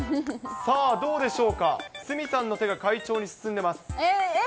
さあ、どうでしょうか、鷲見さんの手が快調に進んでます。